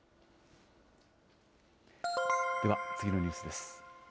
では次のニュースです。